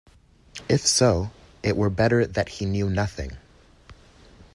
If so, it were better that he knew nothing.